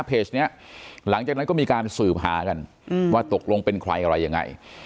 เพจนี้หลังจากนั้นก็มีการสืบหากันว่าตกลงเป็นใครอะไรยังไง